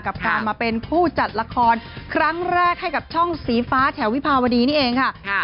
กับการมาเป็นผู้จัดละครครั้งแรกให้กับช่องสีฟ้าแถววิภาวดีนี่เองค่ะ